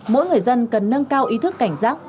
mỗi người dân cần nâng cao ý thức cảnh giác